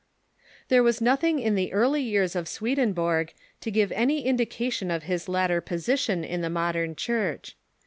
There was nothing in the early years of Swedenborg to give any indication of his later position in the modern Church.